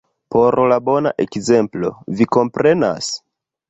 por la bona ekzemplo, vi komprenas?